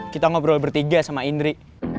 kita ngobrol bertiga sama indri